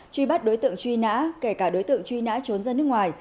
truy bắt đối tượng truy nã kể cả đối tượng truy nã trốn ra nước ngoài